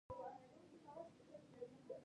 زه ستا ورور یم.